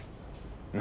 何？